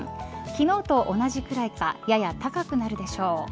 昨日と同じぐらいかやや高くなるでしょう。